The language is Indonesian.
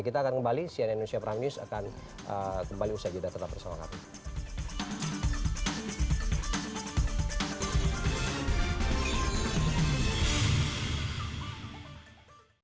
kita akan kembali cnn indonesia prime news akan kembali usai jeda tetap bersama kami